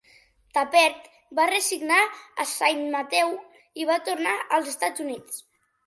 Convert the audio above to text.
Tappert va resignar a Saint Matthew i va tornar als Estats Units.